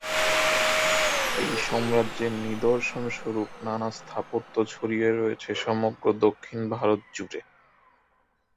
এই সাম্রাজ্যের নিদর্শন স্বরূপ নানা স্থাপত্য ছড়িয়ে রয়েছে সমগ্র দক্ষিণ ভারত জুড়ে।